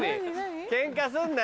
ケンカすんなよ。